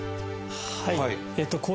はい。